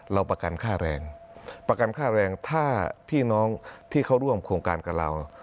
เราประกันค่าแรงประกันค่าแรงถ้าพี่น้องที่เขาร่วมโครงการกับเรา